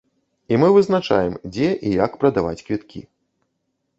І мы вызначаем, дзе і як прадаваць квіткі.